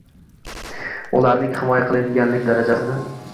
ularning himoya qilinganlik darajasini;